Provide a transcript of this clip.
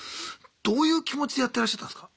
どういう気持ちでやってらっしゃったんすか？